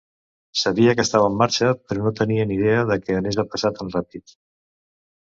Sabia que estava en marxa, però no tenia ni idea de que anés a passar tan ràpid.